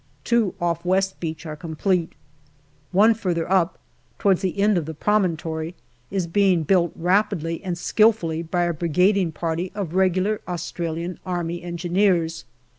Two off West Beach are complete. One further up, towards the end of the AUGUST 213 promontory, is being built rapidly and skilfully by a bridg ing party of regular Australian Army Engineers.